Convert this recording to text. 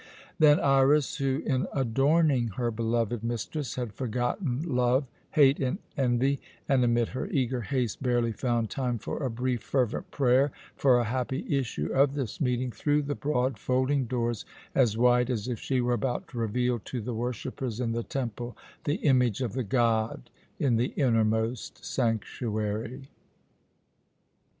Then Iras, who, in adorning her beloved mistress, had forgotten love, hate, and envy, and amid her eager haste barely found time for a brief, fervent prayer for a happy issue of this meeting, threw the broad folding doors as wide as if she were about to reveal to the worshippers in the temple the image of the god in the innermost sanctuary.